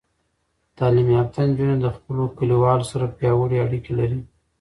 تعلیم یافته نجونې د خپلو کلیوالو سره پیاوړې اړیکې لري.